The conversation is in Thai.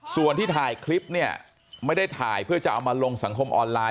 ส่วนที่ถ่ายคลิปเนี่ยไม่ได้ถ่ายเพื่อจะเอามาลงสังคมออนไลน